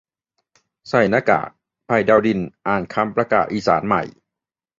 ใส่หน้ากาก "ไผ่ ดาวดิน" อ่านคำประกาศอีสานใหม่